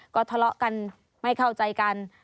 ก็ทะเลาะกันไม่เข้าใจกัน